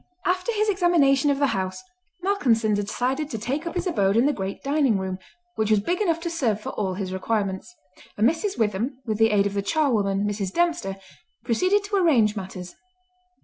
After his examination of the house, Malcolmson decided to take up his abode in the great dining room, which was big enough to serve for all his requirements; and Mrs. Witham, with the aid of the charwoman, Mrs. Dempster, proceeded to arrange matters.